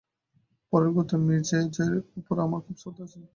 পরলোকগত Mr জজের উপর আমার খুব শ্রদ্ধা আছে।